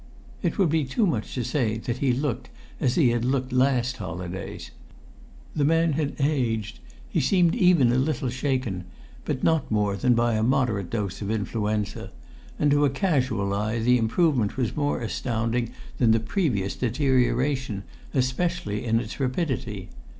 It would be too much to say that he looked as he had looked last holidays. The man had aged; he seemed even a little shaken, but not more than by a moderate dose of influenza; and to a casual eye the improvement was more astounding than the previous deterioration, especially in its rapidity.